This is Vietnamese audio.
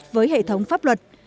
với hệ thống pháp luật